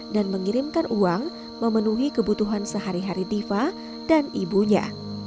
dan mengirimkan uang memenuhi kebutuhan sehari hari diva dan ibunya